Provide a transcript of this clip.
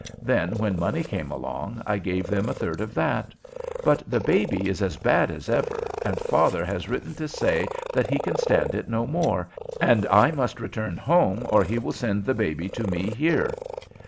Then when money came along, I gave them a third of that; but the baby is as bad as ever, and father has written to say that he can stand it no more, and I must return home or he will send the baby to me here."